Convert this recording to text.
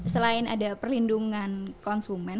selain ada perlindungan konsumen